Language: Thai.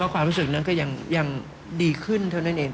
ความรู้สึกนั้นก็ยังดีขึ้นเท่านั้นเอง